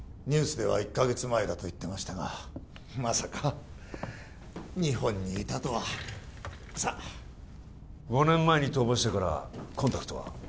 ニュースでは１カ月前だと言ってましたがまさか日本にいたとはさあ５年前に逃亡してからコンタクトは？